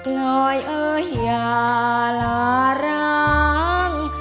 กล่อยเอ่ยยาลาร้าง